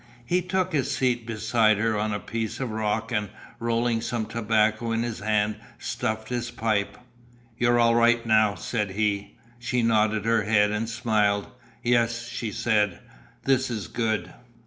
He took his seat beside her on a piece of rock and rolling some tobacco in his hand stuffed his pipe. "You're all right now," said he. She nodded her head and smiled. "Yes," she said, "this is good."